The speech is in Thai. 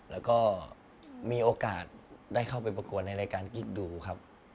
แล้วก็มีโอกาสได้เข้าไปประกวดในรายการกิ๊กดูครับ